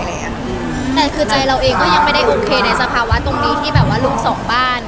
แต่คือใจเราเองก็ยังไม่ได้โอเคในสภาวะตรงนี้ที่แบบว่าลูกสองบ้าน